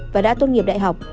và đã tốt nghiệp đại học